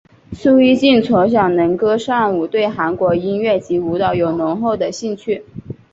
苏一晋从小能歌善舞对韩国音乐及舞蹈有浓厚的兴趣。